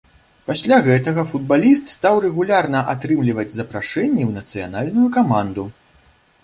Пасля гэтага футбаліст стаў рэгулярна атрымліваць запрашэнні ў нацыянальную каманду.